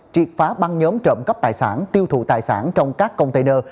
triệt phá băng nhóm trộm cắp tài sản tiêu thụ tài sản trong các container